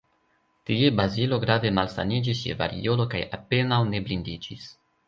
Tie Bazilo grave malsaniĝis je variolo kaj apenaŭ ne blindiĝis.